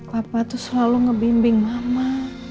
papa itu selalu ngebimbing mama